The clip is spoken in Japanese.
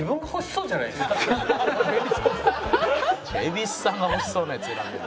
蛭子さんが欲しそうなやつ選んでる。